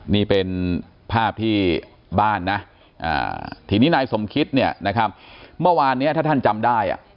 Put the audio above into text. นี่เป็นภาพที่บ้านนะทีนี้นายสมคิดเนี่ยนะครับเมื่อวานนี้ถ้าท่านจำได้